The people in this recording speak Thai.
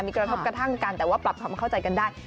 มีกระทบกระทั่งกันแต่ว่าปรับความเข้าใจกันได้